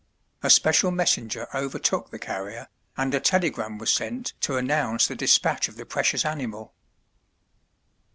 A special messenger overtook the carrier, and a telegram was sent to announce the dispatch of the precious animal.